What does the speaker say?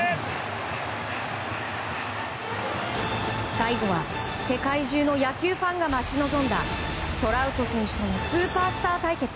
最後は世界中の野球ファンが待ち望んだトラウト選手とのスーパースター対決。